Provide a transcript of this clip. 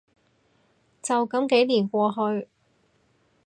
就噉幾年過去